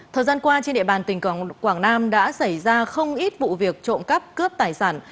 thời gian qua trên địa bàn tỉnh quảng nam đã xảy ra không ít vụ việc trộm cắp cướp tài sản